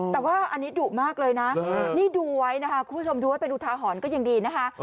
แต่ว่าอันนี้ดุมากเลยนะนี่ดูไว้นะคะคุณผู้ชมดูไว้เป็นอุทาหรณ์ก็ยังดีนะคะ